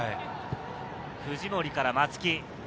藤森から松木。